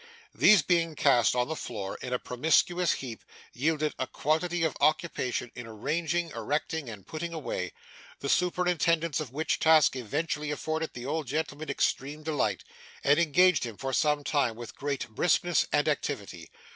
These being cast on the floor in a promiscuous heap, yielded a quantity of occupation in arranging, erecting, and putting away; the superintendence of which task evidently afforded the old gentleman extreme delight, and engaged him for some time with great briskness and activity.